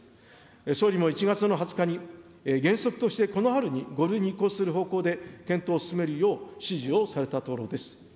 総理も１月の２０日に、原則としてこの春に５類に移行する方向で検討を進めるよう、指示をされたところです。